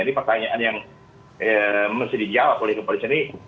ini pertanyaan yang mesti dijawab oleh kepolisian ini